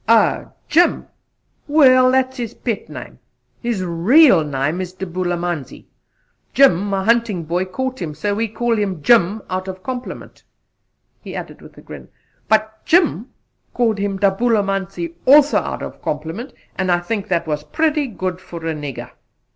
"Oh! Jim? Well that's his pet name. His real name is Dabulamanzi. Jim, my hunting boy, caught him, so we call him Jim out of compliment," he added with a grin. "But Jim called him Dabulamanzi, also out of compliment, and I think that was pretty good for a nigger."